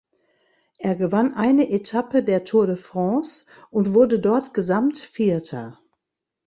Er gewann eine Etappe der Tour de France und wurde dort Gesamtvierter.